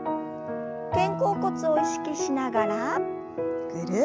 肩甲骨を意識しながらぐるっと。